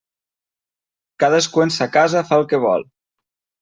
Cadascú en sa casa fa el que vol.